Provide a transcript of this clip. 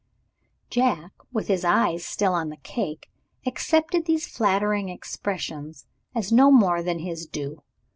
Jack (with his eyes still on the cake) accepted these flattering expressions as no more than his due.